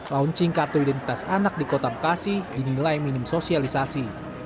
launching kartu identitas anak di kota bekasi dinilai minim sosialisasi